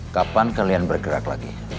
kapan kalian bergerak lagi